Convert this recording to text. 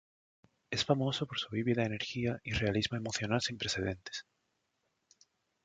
Es famoso por su vívida energía y realismo emocional sin precedentes.